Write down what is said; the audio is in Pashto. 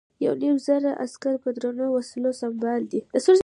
یو نیم زره عسکر په درنو وسلو سمبال دي.